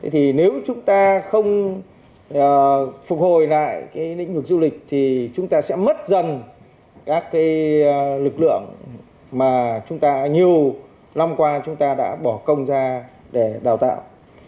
thì nếu chúng ta không phục hồi lại cái lĩnh vực du lịch thì chúng ta sẽ mất dần các cái lực lượng mà chúng ta nhiều năm qua chúng ta đã bỏ công ra để đào tạo